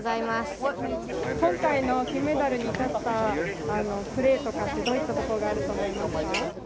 今回の金メダルにつながったプレーとかって、どういったことがあると思いますか。